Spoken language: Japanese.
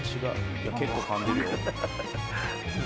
「いや結構かんでるよ」